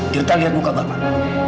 tirta lihat muka bapak